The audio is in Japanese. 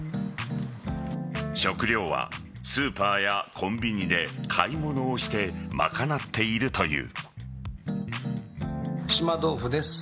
食料はスーパーやコンビニで買い物をして賄っているという。